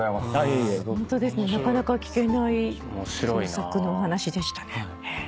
なかなか聞けない創作の話でしたね。